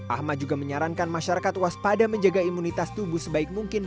ahmad juga menyarankan masyarakat waspada menjaga imunitas tubuh sebaik mungkin